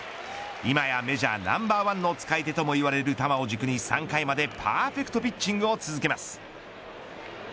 今やメジャーナンバーワンの使い手ともいわれる弾を軸に３回までパーフェクトピッチングを続けます。